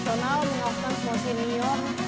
menangkan small senior